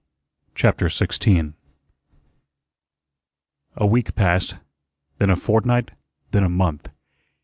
CHAPTER 16 A week passed, then a fortnight, then a month.